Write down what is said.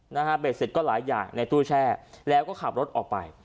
นะฮะเบ็ดเสร็จก็หลายอย่างในตู้แช่แล้วก็ขับรถออกไป